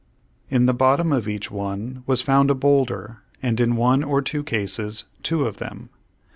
In the bottom of each one was found a bowlder, and in one or two cases two of them.